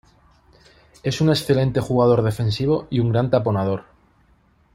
Es un excelente jugador defensivo y un gran taponador.